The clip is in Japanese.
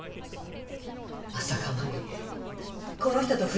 まさか真実この人と不倫！？